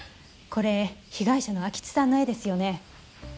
これ被害者の安芸津さんの絵ですよね？